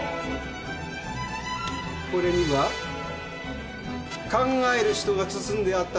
これには「考える人」が包んであったんです。